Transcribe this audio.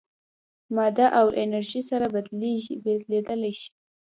ماده او انرژي سره بدلېدلی شي.